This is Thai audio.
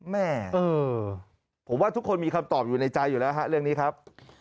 แม่ผมว่าทุกคนมีคำตอบอยู่ในใจอยู่แล้วฮะเรื่องนี้ครับ